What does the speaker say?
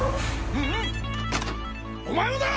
お前もだ！